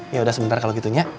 yaudah sebentar kalau gitunya